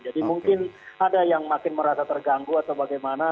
jadi mungkin ada yang makin merasa terganggu atau bagaimana